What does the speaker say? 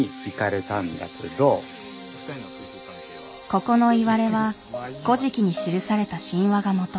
ここのいわれは「古事記」に記された神話がもと。